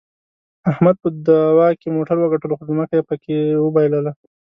احمد په دعوا کې موټر وګټلو، خو ځمکه یې پکې د وباییلله.